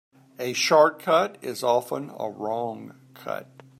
A short cut is often a wrong cut.